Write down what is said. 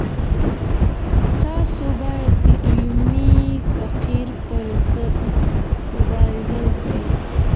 تاسو بايد د علمي فقر پر ضد مبارزه وکړئ.